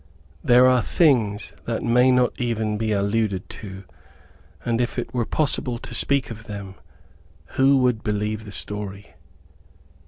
There are things that may not even be alluded to, and if it were possible to speak of them, who would believe the story?